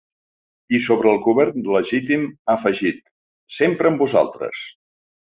I sobre el govern legítim ha afegit: ‘Sempre amb vosaltres!’